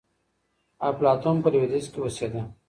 افلاطون په لوېدیځ کي اوسېده.